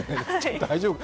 大丈夫？